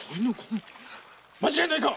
間違いないか！？